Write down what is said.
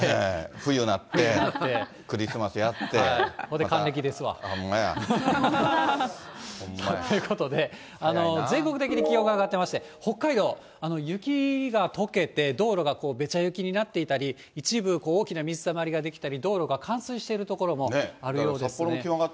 冬になって、還暦ですわ。ということで、全国的に気温が上がってまして、北海道、雪がとけて、道路がべちゃ雪になっていたり、一部大きな水たまりが出来たり、道路が冠水してる所もあるようですね。